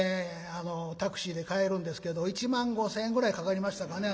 タクシーで帰るんですけど１万５，０００円ぐらいかかりましたかね